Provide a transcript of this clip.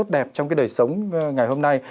đẹp trong cái đời sống ngày hôm nay